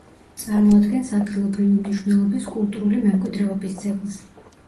წარმოადგენს ადგილობრივი მნიშვნელობის კულტურული მემკვიდრეობის ძეგლს.